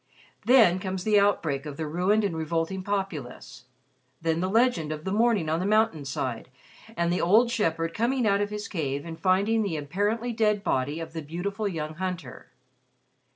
Then comes the outbreak of the ruined and revolting populace; then the legend of the morning on the mountain side, and the old shepherd coming out of his cave and finding the apparently dead body of the beautiful young hunter.